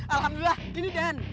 alhamdulillah gini den